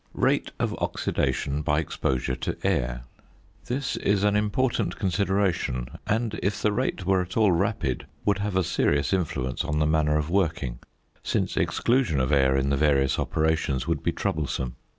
~Rate of Oxidation by Exposure to Air.~ This is an important consideration, and if the rate were at all rapid would have a serious influence on the manner of working, since exclusion of air in the various operations would be troublesome.